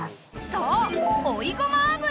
そう追いごま油！